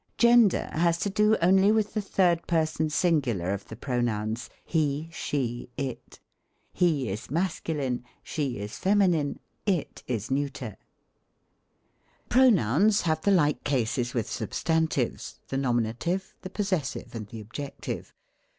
Gender has to do only with the third person singular of the pronouns, he, she, it. He is masculine ; she is feminine ; it is neuter. Pronouns have the like cases with substantives ; the nominative, the possessive, and the objective.